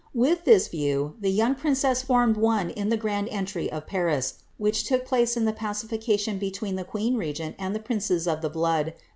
With this view, the young princess formed one in the grand entry of Paris, which took place at the pacification between the queen regent and the princes of the blood.